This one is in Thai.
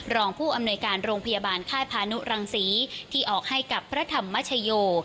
รองผู้อำนวยการโรงพยาบาลค่ายพานุรังศรีที่ออกให้กับพระธรรมชโย